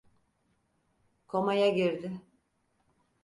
Komaya girdi.